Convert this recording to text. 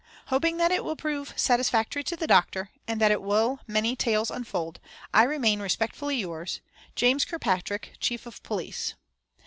Hoping that it will prove satisfactory to the doctor, and that it will many tales unfold, I remain respectfully yours, "JAS. KIRKPATRICK, Chief of Police.